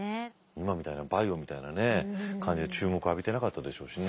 今みたいなバイオみたいな感じで注目浴びてなかったでしょうしね。